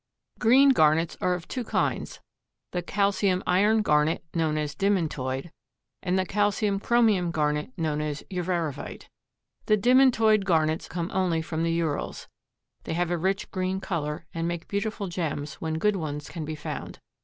Green garnets are of two kinds, the calcium iron garnet, known as demantoid, and the calcium chromium garnet known as uvarovite. The demantoid garnets come only from the Urals. They have a rich green color and make beautiful gems when good ones can be found.